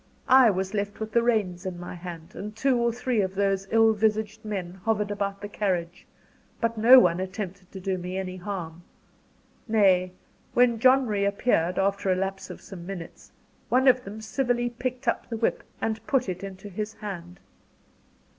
I was left with the reins in my hand, and two or three of those ill visaged men hovered about the carriage; but no one attempted to do me any harm. Nay, when John reappeared, after a lapse of some minutes, one of them civilly picked up the whip and put it into his hand.